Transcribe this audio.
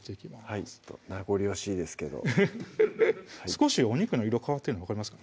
はい名残惜しいですけど少しお肉の色変わってるの分かりますか？